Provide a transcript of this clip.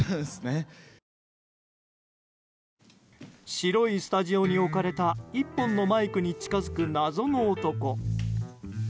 白いスタジオに置かれた１本のマイクに近づく謎の男。